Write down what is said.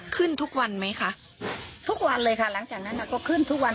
ขึ้นทุกวันไหมคะทุกวันเลยค่ะหลังจากนั้นก็ขึ้นทุกวัน